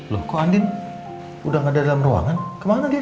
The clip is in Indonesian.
loh kok andin udah gak ada dalam ruangan kemana dia